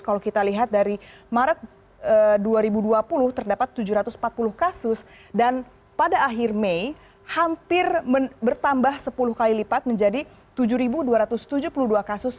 kalau kita lihat dari maret dua ribu dua puluh terdapat tujuh ratus empat puluh kasus dan pada akhir mei hampir bertambah sepuluh kali lipat menjadi tujuh dua ratus tujuh puluh dua kasus